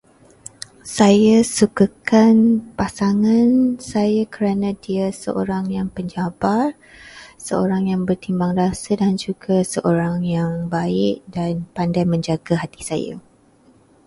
Saya sukakan pasangan saya kerana dia seorang yang penyabar, seorang yang bertimbang rasa dan juga seorang yang baik dan pandai menjaga hati saya.